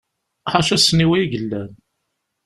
Ḥaca ssniwa i yellan.